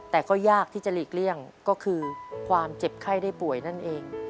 แต่ก็ยากที่จะหลีกเลี่ยงก็คือความเจ็บไข้ได้ป่วยนั่นเอง